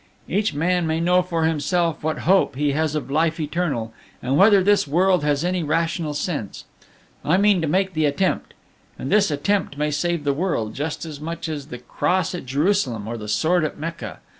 "Each man may know for himself what hope he has of life eternal, and whether this world has any rational sense. I mean to make the attempt. And this attempt may save the world, just as much as the cross at Jerusalem or the sword at Mecca.